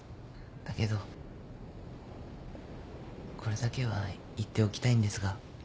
だけどこれだけは言っておきたいんですが。